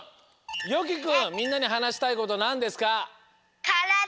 よきくんみんなにはなしたいことなんですか？